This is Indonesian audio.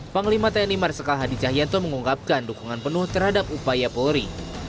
panglima tni marsikal hadi cahyanto mengungkapkan dukungan penuh terhadap upaya polri